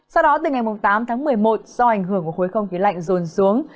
sau đó từ ngày tám một mươi một do ảnh hưởng của khối không khí lạnh rôn xuống